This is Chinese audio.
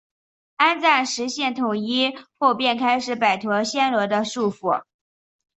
安赞实现统一后便开始摆脱暹罗的束缚。